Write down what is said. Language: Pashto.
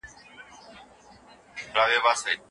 که هغه زما پاتې کېدل وغواړي، زه به نه مړ کېږم.